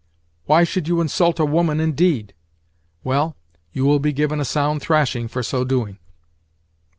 Why should you insult a woman, indeed? Well, you will be given a sound thrashing for so doing."